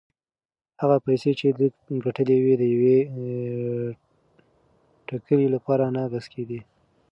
هغه پیسې چې ده ګټلې وې د یوې ټکلې لپاره نه بس کېدې.